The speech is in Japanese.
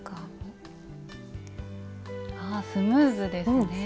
あスムーズですねえ。